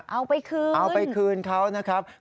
เอาไปคืนเขานะครับอ้าวไปคืน